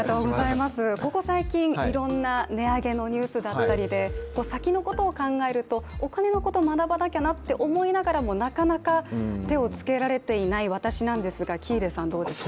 ここ最近いろんな値上げのニュースだったりで先のことを考えるとお金のことを学ばなきゃなと思いながらもなかなか手をつけられていない私なんですが喜入さんどうですか？